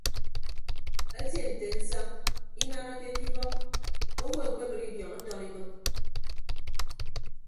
Etie nte nsañ inanake ke ibọk owo ekpebre idiọñ ọtọk ikịm.